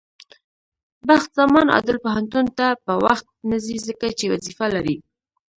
بخت زمان عادل پوهنتون ته په وخت نځي، ځکه چې وظيفه لري.